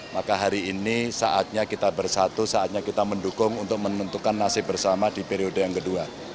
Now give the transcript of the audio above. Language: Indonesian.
maka hari ini saatnya kita bersatu saatnya kita mendukung untuk menentukan nasib bersama di periode yang kedua